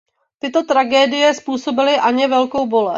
Tyto tragédie způsobily Anně velkou bolest.